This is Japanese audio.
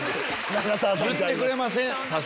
言ってくれません。